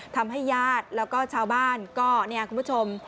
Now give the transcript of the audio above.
ทำให้ญาติแล้วก็ชาวบ้านก็เนี่ยคุณผู้ชม